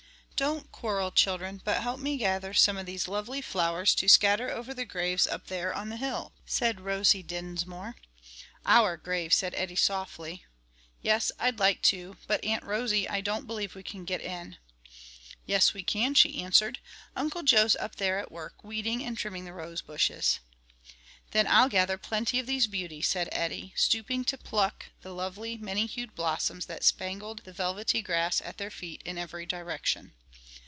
"Don't quarrel, children, but help me to gather some of these lovely flowers to scatter over the graves up there on the hill," said Rosie Dinsmore. "Our graves," said Eddie, softly. "Yes I'd like to; but, Aunt Rosie, I don't believe we can get in." "Yes, we can," she answered. "Uncle Joe's up there at work, weeding and trimming the rosebushes." "Then I'll gather plenty of these beauties," said Eddie, stooping to pluck the lovely, many hued blossoms that spangled the velvety grass at their feet in every direction.